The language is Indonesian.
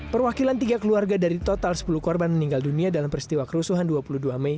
perwakilan tiga keluarga dari total sepuluh korban meninggal dunia dalam peristiwa kerusuhan dua puluh dua mei